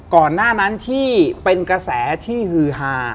ก่อนหน้านั้นที่เป็นกระแสที่ฮือฮา